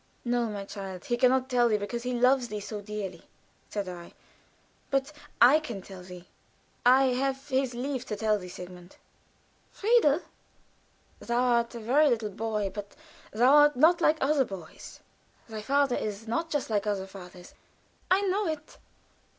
"No, my child, he can not tell thee, because he loves thee so dearly," said I. "But I can tell thee; I have his leave to tell thee, Sigmund." "Friedel?" "Thou art a very little boy, but thou art not like other boys; thy father is not just like other fathers." "I know it."